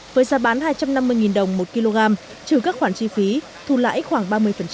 với giá bán hai trăm năm mươi đồng một kg trừ các khoản chi phí thu lãi khoảng ba mươi